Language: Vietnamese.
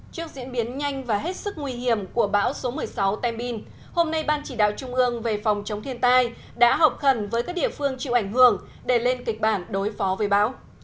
trước diễn biến nhanh và hết sức nguy hiểm của bão số một mươi sáu tem bin hôm nay ban chỉ đạo trung ương về phòng chống thiên tai đã họp khẩn với các địa phương chịu ảnh hưởng để lên kịch bản đối phó với bão